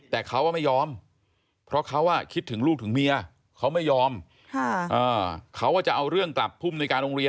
แต่ว่าเขาว่าโอบมันแบบอย่างนี้